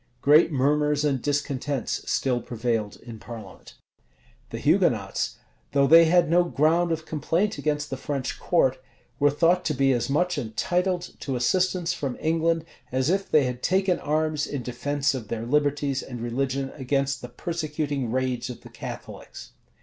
Great murmurs and discontents still prevailed in parliament. The Hugonots, though they had no ground of complaint against the French court, were thought to be as much entitled to assistance from England, as if they had taken arms in defence of their liberties and religion against the persecuting rage of the Catholics.